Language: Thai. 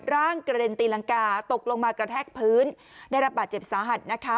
ร่างกระเด็นตีรังกาตกลงมากระแทกพื้นได้รับบาดเจ็บสาหัสนะคะ